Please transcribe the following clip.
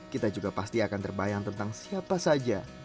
kita juga pasti akan terbayang tentang siapa saja